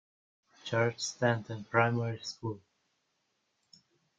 Churchstanton Primary School.